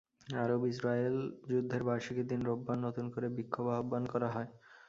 আরব-ইসরায়েল যুদ্ধের বার্ষিকীর দিন রোববার নতুন করে বিক্ষোভ আহ্বান করা হয়।